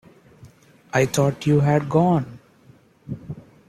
I thought you had gone.